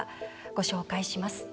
ご紹介します。